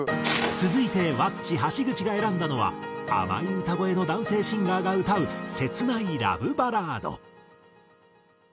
続いてｗａｃｃｉ橋口が選んだのは甘い歌声の男性シンガーが歌う切ないラブバラード。